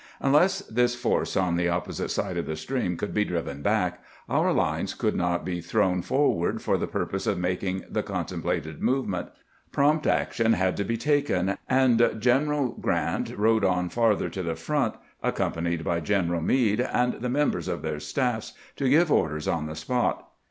Unless this force on the opposite side of the stream could be driven back, our lines could not be thrown for ward for the purpose of making the contemplated move ment. Prompt action had to be taken, and General Grrant rode out farther to the front, accompanied by Greneral Meade and the members of their staffs, to give orders on the spot.